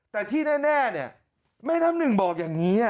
แต่ที่แน่เนี่ยแม่น้ำหนึ่งบอกอย่างนี้